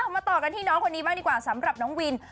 มาต่อกันที่น้องคนนี้บ้างดีกว่าสำหรับน้องวิน